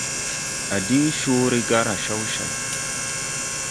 À diŋ coore garà sawcày.